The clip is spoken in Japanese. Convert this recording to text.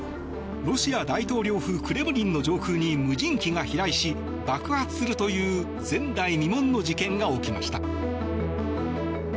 ロシア大統領府クレムリンの上空に無人機が飛来し爆発するという前代未聞の事件が起きました。